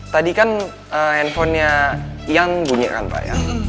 tadi kan handphonenya ian bunyi kan pak ya